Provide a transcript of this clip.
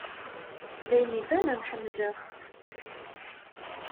D ayen ibanen ḥemmleɣ-tt!